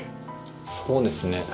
そうですね。